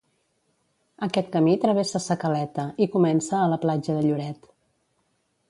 Aquest camí travessa Sa Caleta i comença a la platja de Lloret.